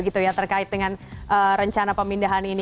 terkait dengan rencana pemindahan ini